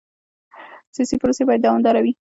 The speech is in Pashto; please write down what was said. سیاسي پروسې باید دوامداره وي